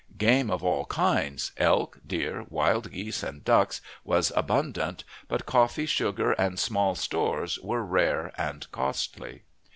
Game of all kinds elk, deer, wild geese, and ducks was abundant; but coffee, sugar, and small stores, were rare and costly.